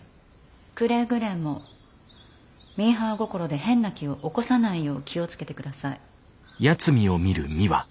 くれぐれもミーハー心で変な気を起こさないよう気を付けて下さい。